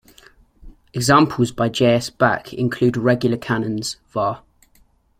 Examples by J. S. Bach include the regular canons, Var.